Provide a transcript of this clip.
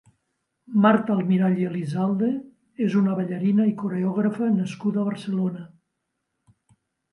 Marta Almirall i Elizalde és una ballarina i coreògrafa nascuda a Barcelona.